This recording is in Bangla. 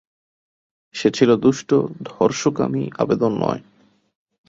সে ছিল দুষ্ট, ধর্ষকামী, আবেদনময়।